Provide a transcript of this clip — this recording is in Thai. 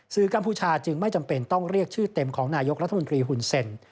กัมพูชาจึงไม่จำเป็นต้องเรียกชื่อเต็มของนายกรัฐมนตรีหุ่นเซ็น